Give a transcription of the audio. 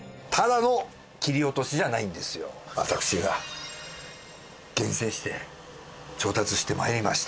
私が厳選して調達して参りました。